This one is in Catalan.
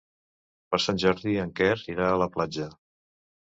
Per Sant Jordi en Quer irà a la platja.